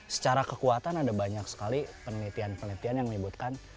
secara kekuatan ada banyak sekali penelitian penelitian yang menyebutkan